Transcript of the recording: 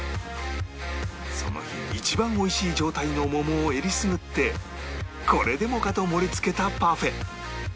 その日一番美味しい状態の桃をえりすぐってこれでもかと盛り付けたパフェ